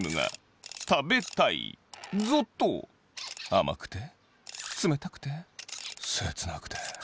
あまくてつめたくてせつなくて！